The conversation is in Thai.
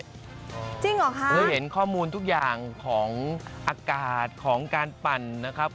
จริงเหรอคะเราเห็นข้อมูลทุกอย่างของอากาศของการปั่นนะครับ